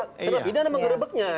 kena pidana menggerbeknya